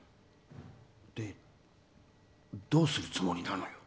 で、どうするつもりなのよ。